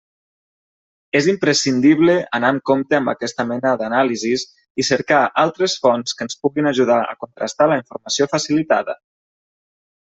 És imprescindible anar amb compte amb aquesta mena d'anàlisis i cercar altres fonts que ens puguin ajudar a contrastar la informació facilitada.